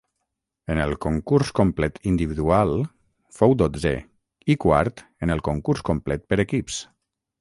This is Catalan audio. En el concurs complet individual fou dotzè i quart en el concurs complet per equips.